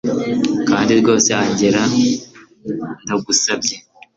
kandi rwose angella, ndagusabye